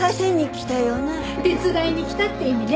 手伝いに来たって意味ね。